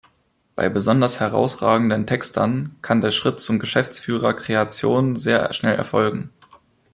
Bei besonders herausragenden Textern kann der Schritt zum Geschäftsführer Kreation sehr schnell erfolgen.